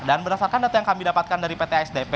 dan berdasarkan data yang kami dapatkan dari pt asdp